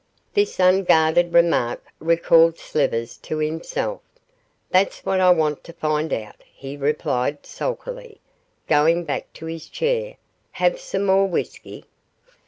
This unguarded remark recalled Slivers to himself. 'That's what I want to find out,' he replied, sulkily, going back to his chair. 'Have some more whisky?